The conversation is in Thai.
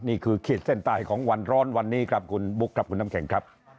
นี่คือเขตเส้นตายของวันร้อนวันนี้ครับคุณบุ๊คคุณน้ำแข็งครับ